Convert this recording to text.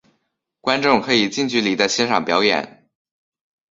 观众可以近距离地欣赏表演。